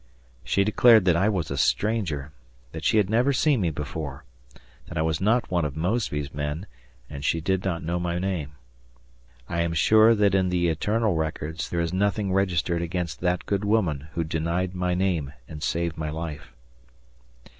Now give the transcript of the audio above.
She declared that I was a stranger that she had never seen me before that I was not one of Mosby's men, and she did not know my name. I am sure that in the eternal records there is nothing registered against that good woman who denied my name and saved my life.